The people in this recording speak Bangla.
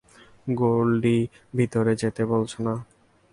গোল্ডি, ভেতরে যেতে বলছনা।